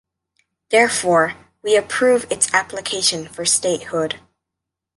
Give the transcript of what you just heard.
Therefore, we approve its application for statehood.